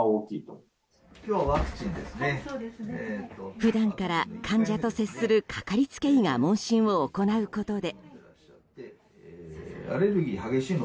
普段から患者と接するかかりつけ医が問診を行うことで。